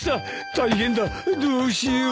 大変だどうしよう。